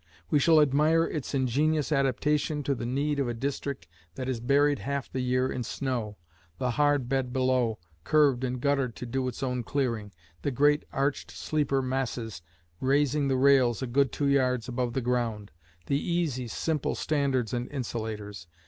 We shall admire its ingenious adaptation to the need of a district that is buried half the year in snow, the hard bed below, curved and guttered to do its own clearing, the great arched sleeper masses, raising the rails a good two yards above the ground, the easy, simple standards and insulators.